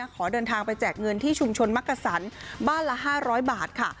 ขอเดินทางไปแจกเงินที่ชุมชนมักกษันบ้านละ๕๐๐บาทค่ะ